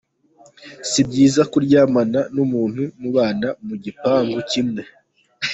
Si byiza kuryamana n’umuntu mubana mu gipangu kimwe.